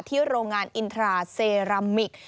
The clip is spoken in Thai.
โรงงานอินทราเซรามิก